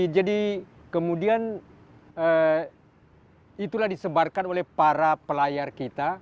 jadi kemudian itulah disebarkan oleh para pelayar kita